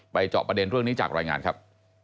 เจาะประเด็นเรื่องนี้จากรายงานครับ